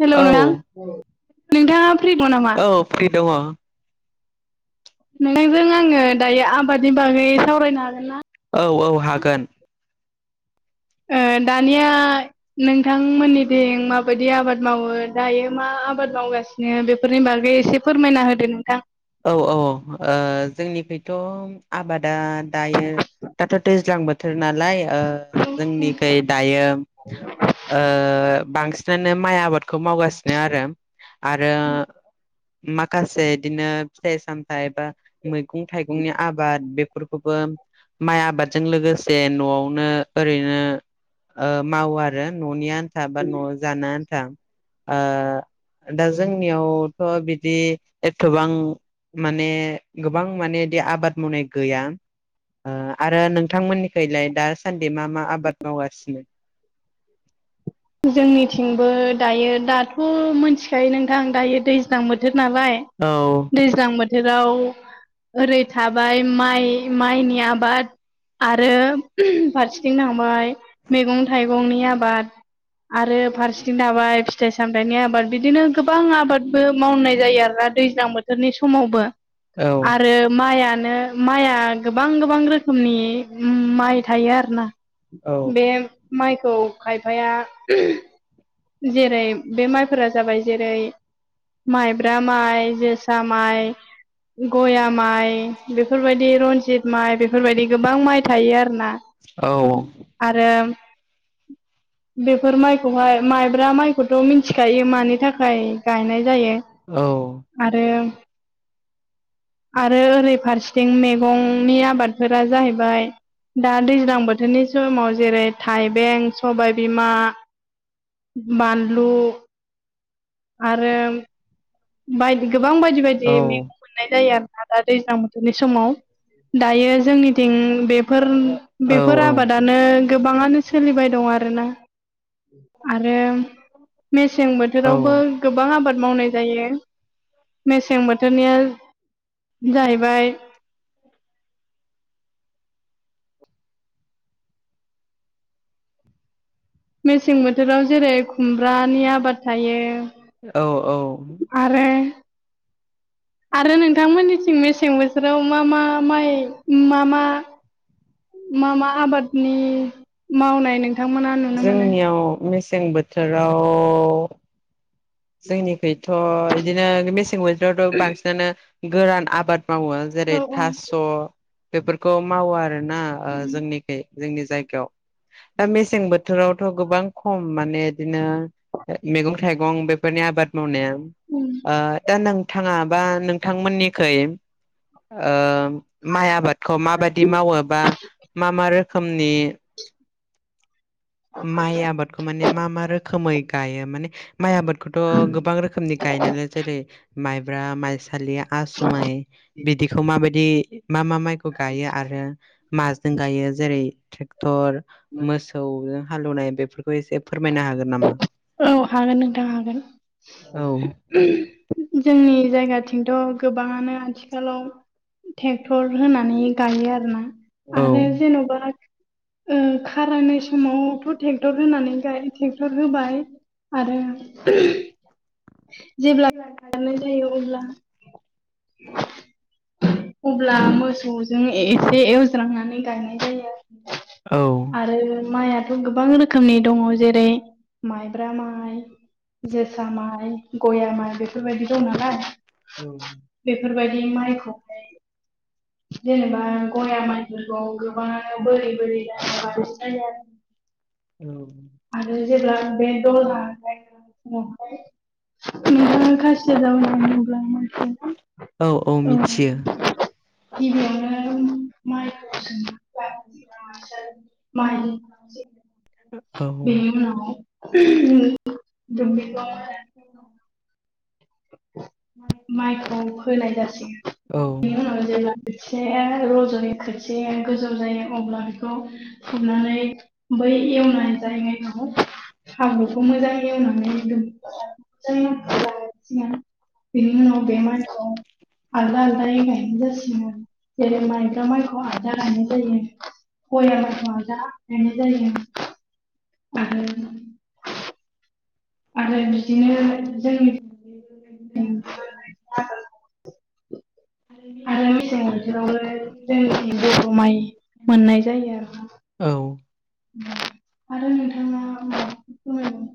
हेल' नोंथां औ नोंथाङा फ्रिगं नामा? औ फ्रि दङ। नोंथांजों आङो दायो आबादनि बागै सावरायनो हागोन ना? औ औ हागोन। ओ दानिया नोंथांमोननिथिं माबायदि आबाद मावो दायो मा आबाद मावगासिनो बे फोरनि बागै एसे फोरमायना होदो नोंथां? औ औ ओ जोंनिखौथ' आबादा दायो दाथ' दैज्लां बोथोर नालाय ओ जोंनिखै दायो ओ बांसिनानो माइ आबादखौ मावगासिनो आरो। आरो माखासे बिदिनो फिथाइ सामथाइ ए बा मैगं थाइगंनि आबाद बेफोरखौबो माइ आबादजों लोगोसे न'आवनो ओरैनो ओ मावो आरो न'नि आन्था बा न' जानो आन्था ओ दा जोंनियावथ' बिदि एथबां माने गोबां मानेदि आबाद मावनाय गैया। आरो नोंथांमोननिखलाय दासान्दि मा मा आबाद मावगासिनो? जोंनिथिंबो दायो दाथ' मोनथिखायो नोंथां दायो दैज्लां बोथोर नालाय औ। दैज्लां बोथोराव ओरै थाबाय माइ माइनि आबाद आरो फारसेथिं थांबाय मैगं थाइगंनि आबाद। आरो फारसे थिं थाबाय फिथाइ सामथाइनि आबाद बिदिनो गोबां आबादबो मावनाय जायो आरोना दैज्लां बो नि समावबो औ आरो माइयानो माइया गोबां गोबां रोखोमनि उम माइ थायो आरो ना औ बे माइखौ खायफाया जेरै बे माइफोरा जाबाय जेरै माइब्रा माइ जोसा माइ गया माइ बेफोरबायदि रन्जित माइ बेफोरबायदि गोबां माइ थायो आरो ना। औ। आरो बेफोर माइखौहाय माइ ब्रा माइखौथ' मिथिखायो मानि थाखाय गायनाय जायो। औ आरो आरो ओरै फारसेथिं मैगंनि आबाद बोथोरा जाहैबाय दा दैज्लां बोथोरनि समाव जेरै थाइबें सबाय बिमा बानलु आरो बाय गोबां बायदि बायदि औ मैगं मोननाय जायो आरोना दा दैज्लां बोथोरनि समाव दायो जोंनि थिं बेफोर बेफोर आबादानो गोबाङानो सोलिबाय दं आरोना। आरो मेसें औ बोथोरावबो गोबां आबाद मावनाय जायो मेसें बोथोरनिया जाहैबाय मेसें बोथोराव जेरै खुमब्रानि आबाद थायो औ औ आरो आरो नोंथांमोननिथिं मेसें बोथोराव मा मा माइ मा मा मा मा आबादनि मावनाय नोंथांमोना नुनो मोनो जोंनियाव मेसें बोथोराव जोंनिखैथ' बिदिनो मेसें बोथोरावथ' बांसिनानो गोरान आबाद मावो। जेरै औ थास' औ बेफोरखौ मावो आरोना ओ जोंनिखै जोंनि जायगायाव। दा मेसेें बो थोरावथ' गोबां खम माने बिदिनो मैगं थाइगं बेफोरनि आबाद मावनाया आ दा नोंथाङा बा नोंथांमोननिखै ओ माइ आबादखौ माबायदि मावो बा मा मा रोखोमनि माइ आबादखौ माने मा मा रोखोमै गायो माने माइ आबादखौथ' गोबां रोखोमनि गायो नालाय जेरै माइब्रा माइसालि आसुमाइ बिदिखौ माबायदि मा मा माइखौ गायो आरो माजों गायो जेरै ट्रे टर मोसौजों हालौनाय बेफोरखौ एसे फोरमायनो हागोन नामा? औ हागोन नोंथां औ हागोन। जोंनि जायगाथिंथ' गोबाङानो आथिखालाव ट्रेक्टर होनानै गायो आरो ना औ आरो जेन'बा ओ खारायनाय समावथ' ट्रेक्टर होनानै [unintelligible] ट्रेक्टर होबाय आरो [unintelligible] जेब्ला [inaudible] नाय जायो अब्ला अब्ला मोसौजों एसे एवज्रांनानै गायनाय जायो। औ आरो माइयाथ' गोबां रोखोमनि दङ जेरै माइब्रा माइ जोसा माइ गया माइ बेफोरबायदि दं नालाय। औ बेफोरबायदि माइखौ जेनेबा गयया मायफोरखौ गोबाङानो बोरै बोरै [unintelligible] जायो आरो। आरो जेब्ला बे दला [unintelligible] खासिया औ औ मिथियो [unintelligible] गिबियावनो माइ माइ [unintelligible] बेनि औ उना [unintelligible] [inaudible] माइखौ फोनाय जासिगोन बिनि उनाव जेब्ला खोथिाया रज'यो खोथिाया गोजौ जायो अब्ला बेखौ फुनानै बै एवनाय जाय नायखौ [unintelligible] [unintelligible] बेनि उनाव बे मायखौ आलदा आलदायै गायनाय जासिगोन आरो। जेरै माइब्रा माइखौं आलदा गायनाय जायो गया माइखौं आलदा गायनाय जायो। [unintelligible] आरो बिदिनो जोंनि आरो मेसें बाथोरावबो जोंनिथिं बर' माइ मोननाय जायो आरो। औ [inaudible] नोंथाङा माबाफोर फोरमायबावनो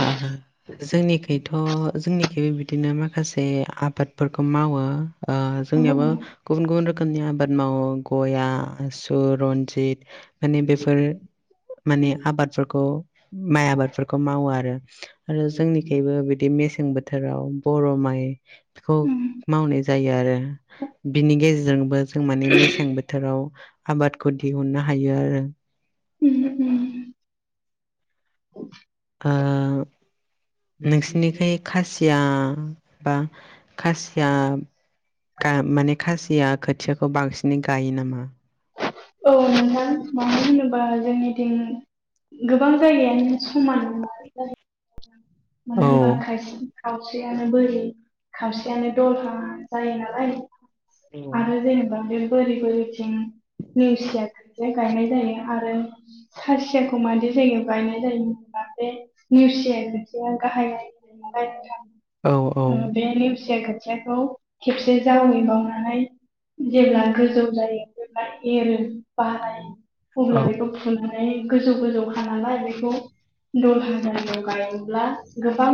आ ह [unintelligible] जोंनिखैथ' जोंनिखैबो बिदिनो माखासे आबादफोरखौ मावो ओ जोंनियाबो गुबुन गुबुन रोखोमनि आबाद मावो गया आसु रनजित माने बेफोर फोर माने आबादफोरखौ माइ आबादफोरखौ मावो आरो आरो जोंनिखबो बिदि मेसें बोथोराव बर' माइ खौ मावनाय जायो आरो बिनि गेजेरजोंबो जों माने मेसें बोथोराव आबादखौ दिहुननो हायो आरो उम उम ओ नोंसिनिखै खासिया बा खासिया गा माने खासिया खोथियाखौ बांसिनै गायो नामा औ नोंथां मानो होनोबा जोंनि थिं गोबां जायगायानो समाव म [unintelligible] मानो होनबा खायसे खावसेयानो बोरि खावसेयानो दलहा जायो नालाय आरो जेनेबा बे बोरि बोरिथिं निवसिया गायनाय जायो आरो सासियाखौ मादै जायगायाव गायनाय जायोब बे निवसियाजों गाहाय औ जायगायाव बे औ नेवसिया खोथियाखौ खेबसे जावैबावनानै [unintelligible] जेब्ला गोजौ जायो जेब्ला एरो बारायो अब्ला बेखौ [unintelligible] फुनानै गोजौ गोजौखा नालाय बेखौ दलहााजार गाय गोबां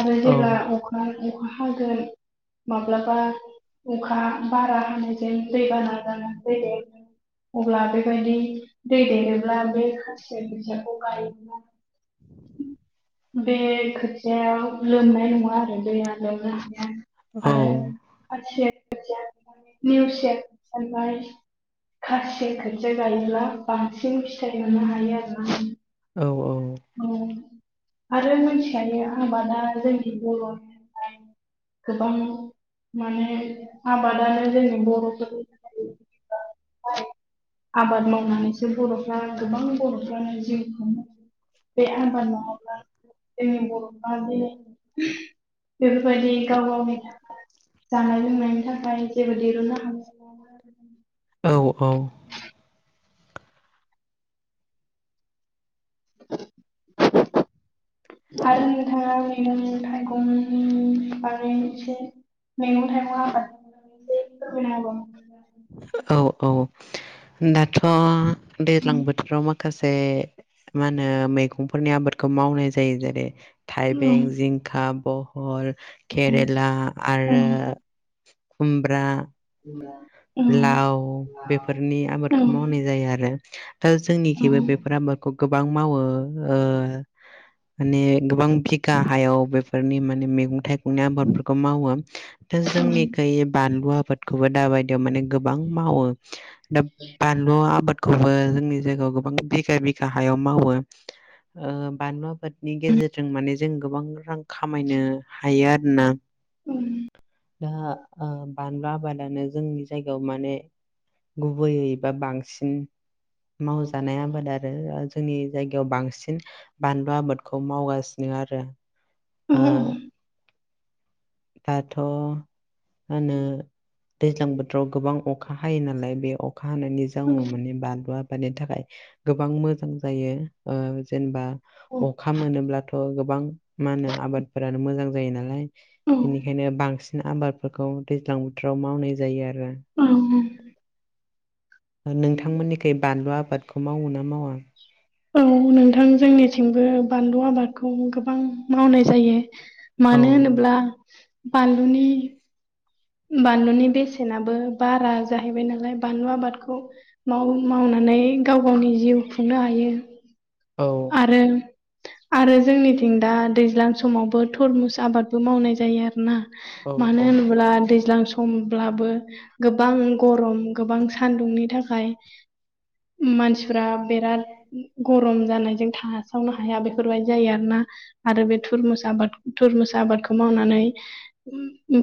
आरो औ जेब्ला अखा अखा हागोन माब्लाबा अखा बारा होनानायजों दैबाना जानानै दै दे अब्ला बेबायदि दै देरोब्ला बे खासिया खोथियाखौ गाय [inaudible] [inaudible] बे खोथियाव लोमनाय नङा आरो दैया लोमनो हाया औ आ निउसाइ [unintelligible] खासि खोथिया गायोब्ला बांसिन फिथाइ मोननो हायो आरो ना औ औ औ आरो मिथिखायो आबादा जोंनि बर' [unintelligible] गोबां माने आबादानो जोंनि बर'फोरनि थाखाय [unintelligible] [unintelligible] आबाद मावनानैसो बर'फ्रा गोबां बर'फ्रानो जिउ खुंयो बे आबाद नङाबा जोंनि बर'फ्रा बेफोरबायदि गाव गावनि थाखाय जानाय लोंनायनि थाखाय जेबो दिरुननो हायो [inaudible] औ औ [unintelligible] आरो नोंथाङा मैंगं थाइगंनि बारै एसे मैगं थाइगं मगबो आबाद एसे फोरमायना [unintelligible] औ औ दाथ' दैज्लांबो बोथोराव माखासे मा होनो मैगंफोरनि आबादखौ मावनाय जायो जेरै थाइबें जिंखा बहल केरेला आरो खुमब्रा [unintelligible] लाव बेफोरनि आबादखौ मावनाय जायो आरो दा जोंनिखेबो होबावनो बेफोर आबादखौ गोबां मावो ओ माने गोबां बिघा हायाव बेफोरनि माने मैगं थाइ आबादफोरखौ मावो दा जोंनिखै बानलु आबादखौबो दाबायदि माने गोबां मावो दा बानलु आबादखौबो जोंनि जायगायाव गोबां बिघा बिघा हायाव मावो ओ बानलु आबादनि गेजेरजों माने जों गोबां रां खामायनो हायो आरो ना दा बानलु आबादानो जोंनि जायगायाव माने गुबैयै बा बांसिन मावजानाय आबाद आरो जोंनि जायगायाव बांसिन बानलु आबादखौ मावगासिनो आरो ओ दाथ' मा होनो दैज्लां बोथोराव गोबां अखा हायो नालाय बे अखा हानायनि जोंनाव मे बानलु आबादनि थाखाय गोबां मोजां जायो ओ जेनेबा अखा मोनोब्लाथ' गोबां मा होनो आबादफोरानो मोजां जायो नालाय औ बेनिखायनो बांसिन आबादफोरखौ दैज्लां बोथोराव मावनाय जायो आरो औ नोंथांमोननिखै बानलु आबादखौ मावो ना मावा औ नोंथां जोंनिथिंबो बानलु आबादखौ गोबां मावनाय जायो औ मानो होनोब्ला बानलुनि बानलुनि बेसेनाबो बारा जाहैबाय नालाय बानलु आबादखौ मावनानै गाव गावनि जिउ खुंनो हायो औ आरो आरो जोंनिथिं दा दैज्लां समावबो थरमुस आबादबो मावनाय जायो आरोना औ मानो औ होनोब्ला दैज्लां जां समब्लाबो गोबां गरम गोबां सानदुंनि थाखाय मानसिफ्रा बेराद गरम जानायजों थासावनो हाया फोरबाय जायो आरोना आरो बे थुर मुसा आबाद थुरमुसा आबादखौ मावनानै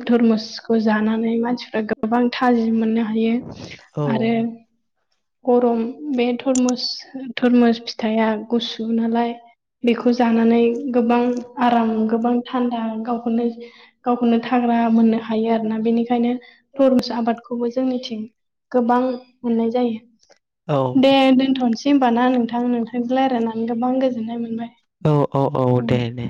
थुरमुस जानानै मानसिफ्रा गोबां थाजिम मोननो हायो औ आरो गरम बे थरमुस फिथाइया गुसु नालाय बेखौ जानानै गोबां आराम गोबां थान्दा गावखौनो गावखौनो थाग्रा मोननो हायो आरो ना बेनिखायनो थुरमुस आबादखौबो जोंनिथिं गोबां मोननाय जायो औ दे दोनथ'नोसै होनबाना नोंथां नोंथांजों रायलायनानै गोबां गोजोननाय मोनबाय औ औ औ दे उम। दे।